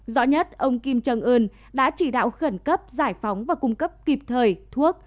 rõ nhất ông kim trần ươn đã chỉ đạo khẩn cấp giải phóng và cung cấp kịp thời thuốc